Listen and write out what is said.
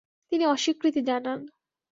তিনি অস্বীকৃতি জানান।